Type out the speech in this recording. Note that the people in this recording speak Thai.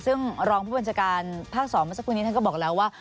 ซึ่งรองผู้บัญชาการภาค๒เมื่อสักครู่นี้ท่านก็บอกแล้วว่า